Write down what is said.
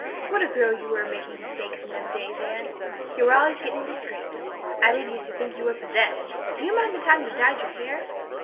"What a girl you were for making mistakes in them days, Anne. You were always getting into scrapes. I did use to think you were possessed. Do you mind the time you dyed your hair?"